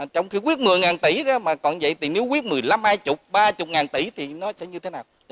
trong khi quyết một mươi tỷ đó mà còn vậy thì nếu quyết một mươi năm hai mươi ba mươi ngàn tỷ thì nó sẽ như thế nào